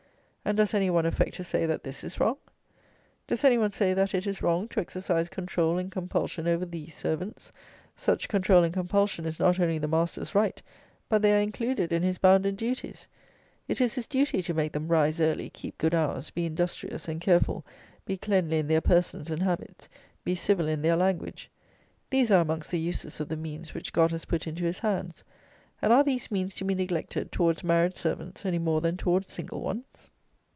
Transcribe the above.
And does any one affect to say that this is wrong? Does any one say that it is wrong to exercise control and compulsion over these servants; such control and compulsion is not only the master's right, but they are included in his bounden duties. It is his duty to make them rise early, keep good hours, be industrious, and careful, be cleanly in their persons and habits, be civil in their language. These are amongst the uses of the means which God has put into his hands; and are these means to be neglected towards married servants any more than towards single ones?